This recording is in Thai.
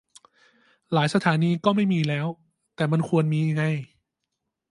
หลายสถานีก็ไม่มีแล้ว - แต่มันควรมีไง